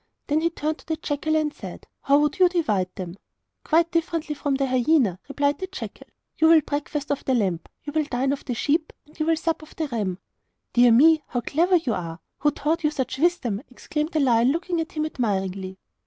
Then he turned to the jackal and said: 'How would you divide them?' 'Quite differently from the hyena,' replied the jackal. 'You will breakfast off the lamb, you will dine off the sheep, and you will sup off the ram.' 'Dear me, how clever you are! Who taught you such wisdom?' exclaimed the lion, looking at him admiringly.